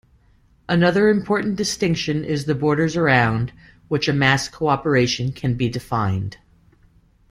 Another important distinction is the borders around which a mass cooperation can be defined.